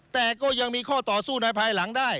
แต่ก็ยังมีข้อต่อสู้ในภายหลังได้